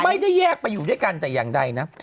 ไม่ได้แยกไปอยู่ด้วยกันแต่อย่างใดนะ